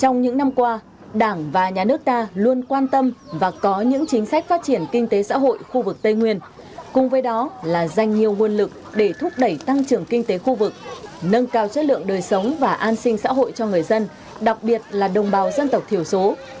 trong những năm qua đảng và nhà nước ta luôn quan tâm và có những chính sách phát triển kinh tế xã hội khu vực tây nguyên cùng với đó là dành nhiều nguồn lực để thúc đẩy tăng trưởng kinh tế khu vực nâng cao chất lượng đời sống và an sinh xã hội cho người dân đặc biệt là đồng bào dân tộc thiểu số